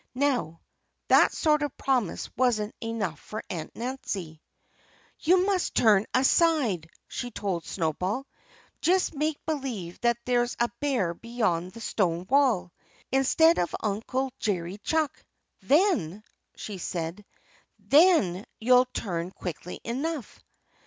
Now, that sort of promise wasn't enough for Aunt Nancy. "You must turn aside!" she told Snowball. "Just make believe that there's a bear beyond the stone wall, instead of Uncle Jerry Chuck! Then " she said "then you'll turn quickly enough!"